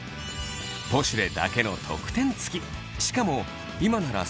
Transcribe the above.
『ポシュレ』だけの特典付き！